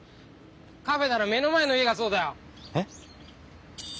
カフェなら目の前の家がそうだよ。え？